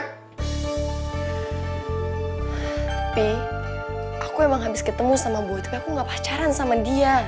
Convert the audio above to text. tapi aku emang habis ketemu sama buah tapi aku gak pacaran sama dia